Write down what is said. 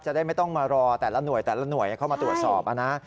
จะได้ไม่ต้องมารอแต่ละหน่วยเข้ามาตรวจสอบนะ